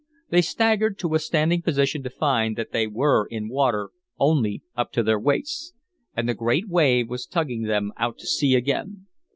They staggered to a standing position to find that they were in water only up to their waists. And the great wave was tugging them out to sea again.